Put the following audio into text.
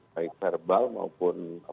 kaitan verbal maupun